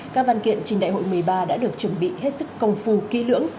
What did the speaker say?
các văn kiện trình đại hội một mươi ba đã được chuẩn bị hết sức công phu kỹ lưỡng